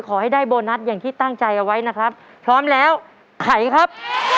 ขอให้ได้โบนัสอย่างที่ตั้งใจเอาไว้นะครับพร้อมแล้วไขครับ